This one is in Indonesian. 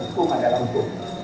hukum adalah hukum